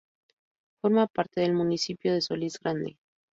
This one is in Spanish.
Forma parte del municipio de Solís Grande.